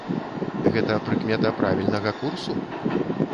Гэта прыкмета правільнага курсу?